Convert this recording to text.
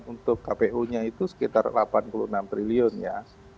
untuk kpu nya itu sekitar rp delapan puluh enam triliun ya